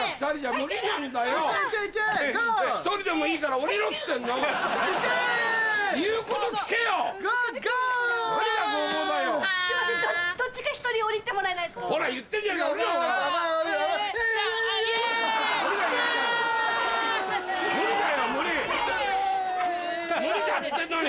無理だって言ってんのに！